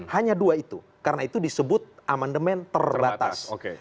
hanya dua itu karena itu disebut amandemen terbatas